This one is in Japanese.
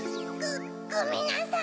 ごめんなさい。